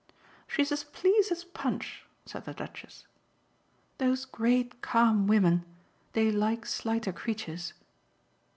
"She's as pleased as Punch," said the Duchess. "Those great calm women they like slighter creatures."